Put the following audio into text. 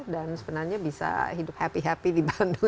dan sebenarnya bisa hidup happy happy di bandung